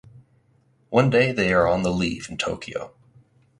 One day they are on the leave in Tokyo.